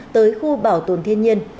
tới khu bảo tồn thiên nhiên